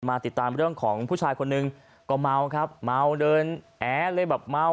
ติดตามเรื่องของผู้ชายคนหนึ่งก็เมาครับเมาเดินแอเลยแบบเมา